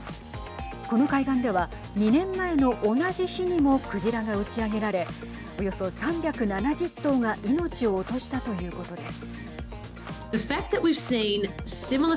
この海岸では２年前の同じ日にも鯨が打ち上げられおよそ３７０頭が命を落としたということです。